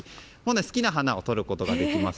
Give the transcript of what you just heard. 好きな花をとることができます。